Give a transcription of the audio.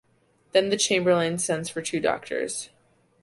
Then the chamberlain sends for two doctors.